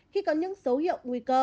khi có những dấu hiệu nguy cơ